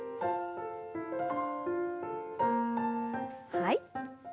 はい。